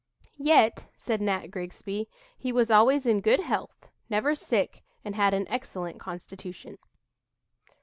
'" "Yet," said Nat Grigsby, "he was always in good health, never sick, and had an excellent constitution."